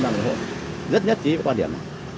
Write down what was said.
cho chú hoàn hảo rất nhất trí và quan điểm